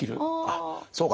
あっそうか。